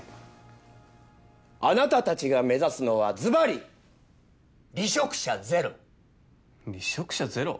あなたたちが目指すのはズバリ離職者ゼロ離職者ゼロ？